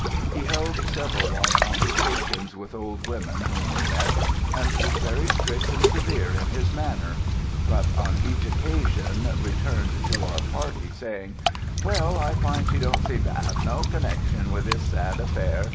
He held several long conversations with old women whom we met, and was very strict and severe in his manner but on each occasion returned to our party saying, "Well, I find she don't seem to 'ave no connexion with this sad affair.